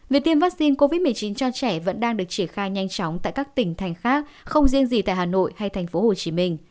việc tiêm vaccine covid một mươi chín cho trẻ vẫn đang được triển khai nhanh chóng tại các tỉnh thành khác không riêng gì tại hà nội hay tp hcm